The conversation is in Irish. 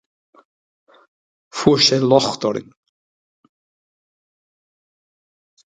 Fuair sé locht orainn.